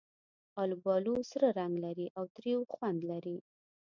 آلوبالو سره رنګ لري او تریو خوند لري.